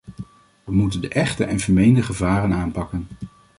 We moeten de echte en vermeende gevaren aanpakken.